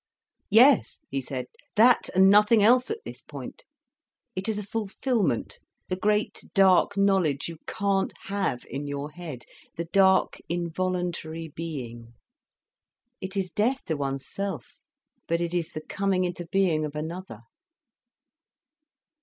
"Yes," he said, "that and nothing else, at this point. It is a fulfilment—the great dark knowledge you can't have in your head—the dark involuntary being. It is death to one's self—but it is the coming into being of another."